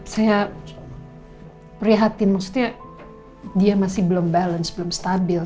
saya prihatin maksudnya dia masih belum balance belum stabil